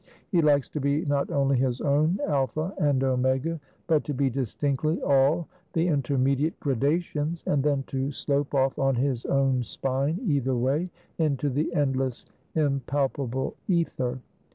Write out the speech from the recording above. He likes to be not only his own Alpha and Omega, but to be distinctly all the intermediate gradations, and then to slope off on his own spine either way, into the endless impalpable ether.